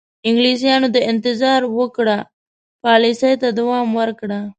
انګلیسیانو د انتظار وکړه پالیسۍ ته دوام ورکړ.